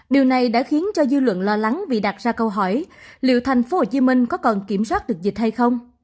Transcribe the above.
điều này đã khiến cho dư luận lo lắng vì đặt ra câu hỏi liệu tp hcm có còn kiểm soát được dịch hay không